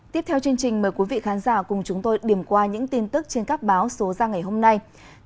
tiếp theo chương trình mời quý vị khán giả cùng chúng tôi điểm qua những tin tức trên các báo số ra ngày hôm nay